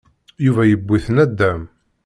Yuba yewwi-t nadam.